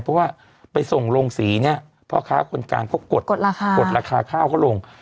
เพราะว่าไปส่งลงสีนี่พ่อค้าคนกลางเขากดราคาข้าวก็ลง